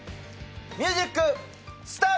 ミュージック、スタート！